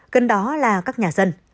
gần đó là các nhà dân